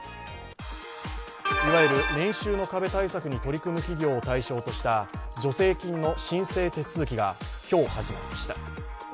いわゆる年収の壁対策に取り組む企業を対象とした助成金の申請手続きが今日始まりました。